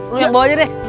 lu yang bawah aja deh